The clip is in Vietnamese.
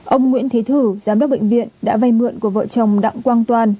ông nguyễn thế thử giám đốc bệnh viện đã vay mượn của vợ chồng đặng quang toàn